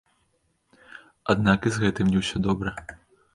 Аднак і з гэтым не ўсё добра.